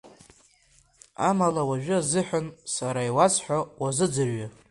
Амала, уажәы азыҳәан сара иуасҳәо уазыӡырҩы.